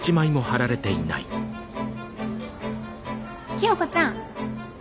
清子ちゃん。